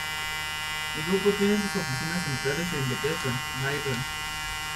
El grupo tiene sus oficinas centrales en Bethesda, Maryland.